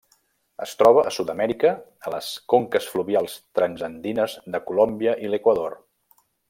Es troba a Sud-amèrica, a les conques fluvials transandines de Colòmbia i l'Equador.